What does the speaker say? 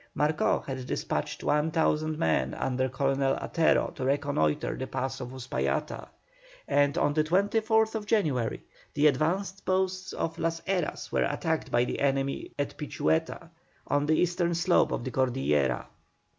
Marcó had despatched 1,000 men under Colonel Atero to reconnoitre the pass of Uspallata, and on the 24th January the advanced posts of Las Heras were attacked by the enemy at Pichueta, on the eastern slope of the Cordillera.